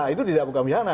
itu tidak bukan biasa